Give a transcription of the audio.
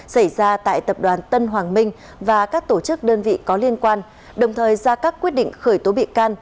xảy ra tại tập đoàn tân hoàng minh và các tổ chức đơn vị có liên quan đồng thời ra các quyết định khởi tố bị can